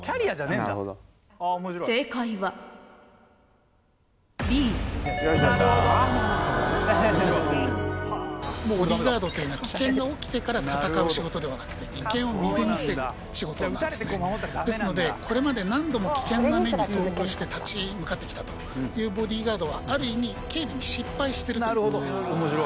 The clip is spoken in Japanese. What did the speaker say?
なるほど正解はＢボディーガードというのは危険が起きてから戦う仕事ではなくて危険を未然に防ぐ仕事なんですねですのでこれまで何度も危険な目に遭遇して立ち向かってきたというボディーガードはある意味警備に失敗してるということです